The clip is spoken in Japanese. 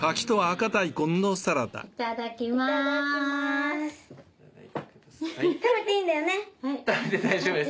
いただきます。